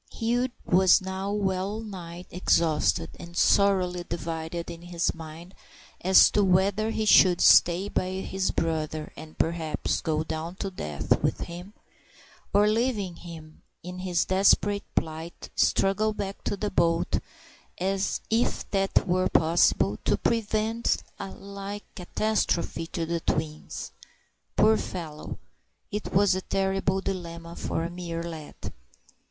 Hugh was now well nigh exhausted, and sorely divided in his mind as to whether he should stay by his brother and, perhaps, go down to death with him, or, leaving him in his desperate plight, struggle back to the boat, if that were possible, to prevent a like catastrophe to the twins. Poor fellow! it was a terrible dilemma for a mere lad.